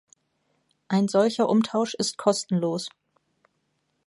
Ein solcher Umtausch ist kostenlos.